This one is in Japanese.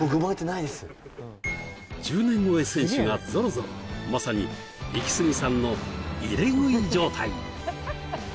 １０年超え戦士がゾロゾロまさにイキスギさんの入れ食い状態